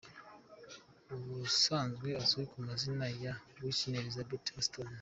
Ubusanzwe azwi ku mazina ya Whitney Elizabeth Houston.